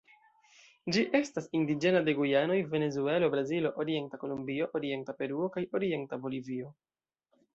Ĝi estas indiĝena de Gujanoj, Venezuelo, Brazilo, orienta Kolombio, orienta Peruo, kaj orienta Bolivio.